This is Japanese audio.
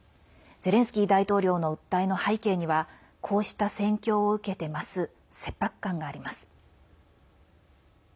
ゼレンスキー大統領の訴えの背景にはこうした戦況を受けて増す切迫感があります。